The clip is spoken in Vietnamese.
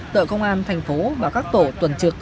tờ công an thành phố và các tổ tuần trực